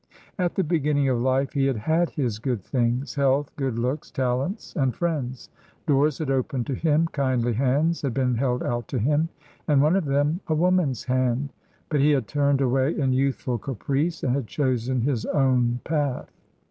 At the beginning of life he had had his good things health, good looks, talents, and friends. Doors had opened to him, kindly hands had been held out to him, and one of them a woman's hand; but he had turned away in youthful caprice, and had chosen his own path.